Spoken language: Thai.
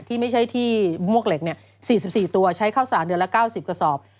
ที่ไม่ใช่ที่มวกเหล็ก๔๔ตัวใช้ข้าวสารเดือนละ๙๐กระสอบ